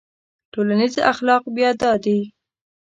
ټولنیز اخلاق بیا دا دي.